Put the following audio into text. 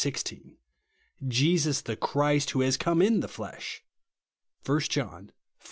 IC) ; "Jesus the Christ, who has come in the flesh" (1 John iv.